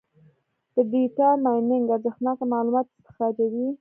د ډیټا مایننګ ارزښتناکه معلومات استخراجوي.